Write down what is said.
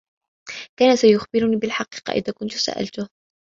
كان سيخبرني بالحقيقة إذا كنت سألته.